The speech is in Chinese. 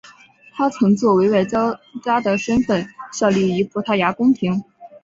他曾作为外交家的身份效力于葡萄牙宫廷。